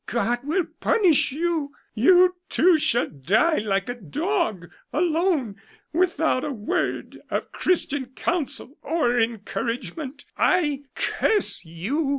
God will punish you. You, too, shall die like a dog; alone, without a word of Christian counsel or encouragement. I curse you!"